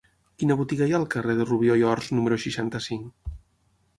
Quina botiga hi ha al carrer de Rubió i Ors número seixanta-cinc?